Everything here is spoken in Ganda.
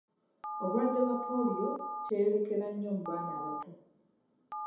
Obulwadde bwa Pooliyo kyeyolekera nnyo mu baana abato.